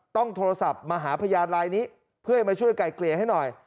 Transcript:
ต้องโทรศัพท์มาหาพยานลายนี้เพื่อให้มาช่วยไกลเกลี่ยให้หน่อย